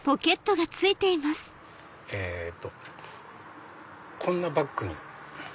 えっとこんなバッグに。